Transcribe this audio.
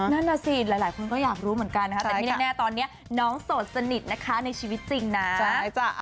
นั่นน่ะสิหลายคนก็อยากรู้เหมือนกันนะคะแต่ที่แน่ตอนนี้น้องโสดสนิทนะคะในชีวิตจริงนะ